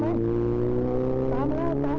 อาศ